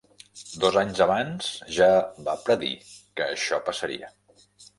Dos anys abans ja va predir que això passaria.